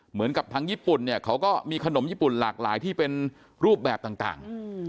เหมือนกับทางญี่ปุ่นเนี่ยเขาก็มีขนมญี่ปุ่นหลากหลายที่เป็นรูปแบบต่าง